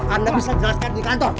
anda bisa jelaskan di kantor